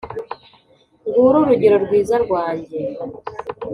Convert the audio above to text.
nguru urugero rwiza rwanjye